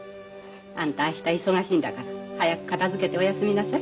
あんた明日忙しいんだから早く片付けておやすみなさい。